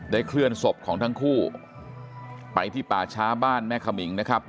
เคลื่อนศพของทั้งคู่ไปที่ป่าช้าบ้านแม่ขมิงนะครับ